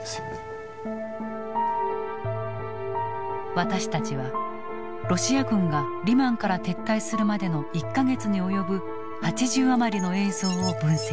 私たちはロシア軍がリマンから撤退するまでの１か月に及ぶ８０余りの映像を分析。